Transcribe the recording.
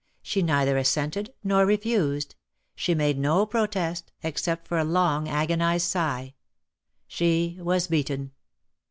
She neither assented nor refused. She made no protest, except for a long agonised sigh. She was beaten.